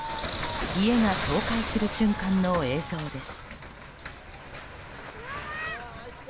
家が倒壊する瞬間の映像です。